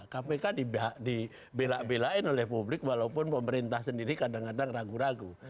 kpk dibelak belain oleh publik walaupun pemerintah sendiri kadang kadang ragu ragu